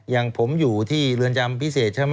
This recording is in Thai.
อย่างผมอยู่ที่เรือนจำพิเศษใช่ไหม